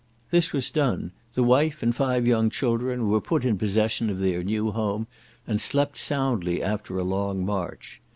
This was done; the wife and five young children were put in possession of their new home, and slept soundly after a long march.